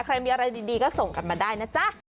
ใครมีอะไรดีก็ส่งกันมาได้นะจ๊ะ